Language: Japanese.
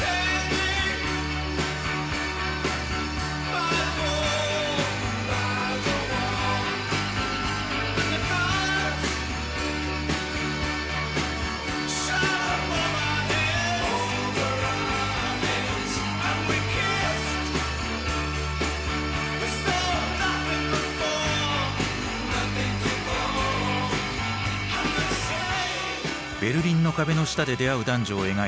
ベルリンの壁の下で出会う男女を描いた「Ｈｅｒｏｅｓ」。